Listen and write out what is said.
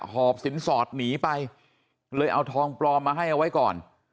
หอบสินสอดหนีไปเลยเอาทองปลอมมาให้เอาไว้ก่อน